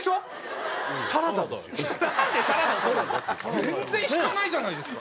全然引かないじゃないですか。